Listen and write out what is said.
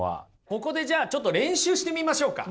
ここでじゃちょっと練習してみましょうか。